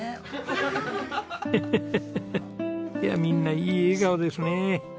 みんないい笑顔ですね。